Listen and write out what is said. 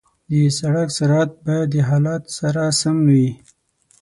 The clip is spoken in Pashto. د سړک سرعت باید د حالت سره سم وي.